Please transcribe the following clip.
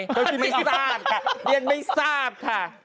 ยังไม่ทราบค่ะ